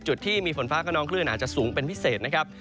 จุดที่มีฝนฟ้ากระนองคลื่นอาจจะสูงเป็นพิเศษนะครับ